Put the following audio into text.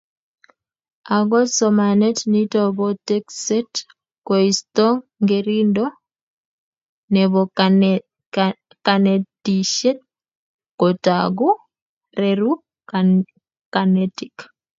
Akot somanet nito bo tekset koisto ngerindo nebo kanetisiet, kotako reru kanetik.